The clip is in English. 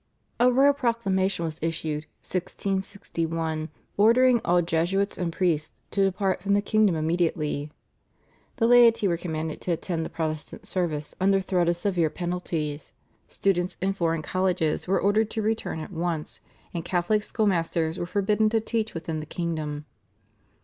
" A royal proclamation was issued (1661) ordering all Jesuits and priests to depart from the kingdom immediately; the laity were commanded to attend the Protestant service under threat of severe penalties, students in foreign colleges were ordered to return at once, and Catholic schoolmasters were forbidden to teach within the kingdom.